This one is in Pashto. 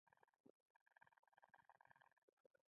د هغې دورې په لیکنو کې یاده شوې ده.